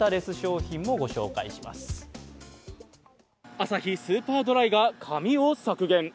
アサヒスーパードライが紙を削減。